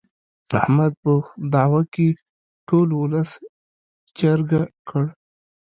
احمد په دعوه کې ټول ولس چرګه کړ.